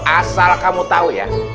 asal kamu tau ya